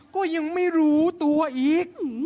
ก็ยังไม่รู้ตัวอีก